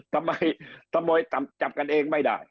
ทำไมจับกันเองไม่ได้